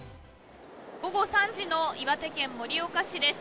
午後３時の岩手県盛岡市です。